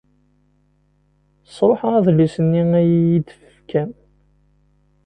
Sṛuḥeɣ adlis-nni ay iyi-d-tefkam.